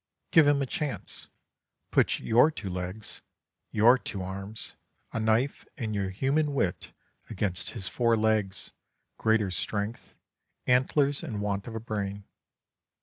Give him a chance. Put your two legs, your two arms, a knife, and your human wit against his four legs, greater strength, antlers, and want of brain.